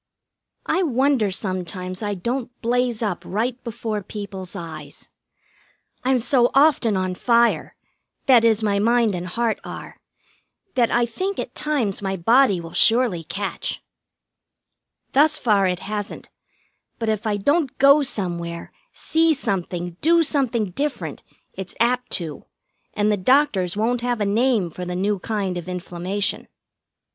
I wonder sometimes I don't blaze up right before people's eyes. I'm so often on fire that is, my mind and heart are that I think at times my body will surely catch. Thus far it hasn't, but if I don't go somewhere, see something, do something different, it's apt to, and the doctors won't have a name for the new kind of inflammation.